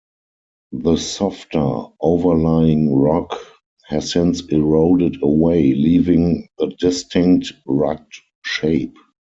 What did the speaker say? The softer overlying rock has since eroded away leaving the distinct rugged shape.